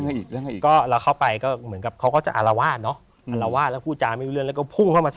อัลลาวาธจะหมี่ปุ่นลงพูดจะไม่รู้เรื่อง